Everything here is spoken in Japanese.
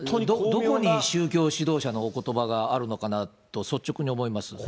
どこに宗教指導者のおことばがあるのかなと率直に思います。